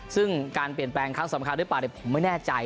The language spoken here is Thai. ซึ่งการเปลี่ยนแปลงครั้งสำคัญหรือเปล่าผมไม่แน่ใจ